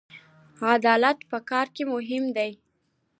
عدالت په کار کې مهم دی